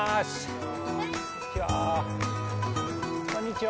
こんにちは。